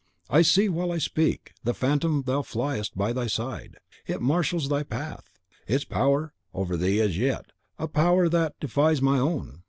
I see, while I speak, the Phantom thou fliest, by thy side; it marshals thy path; it has power over thee as yet, a power that defies my own.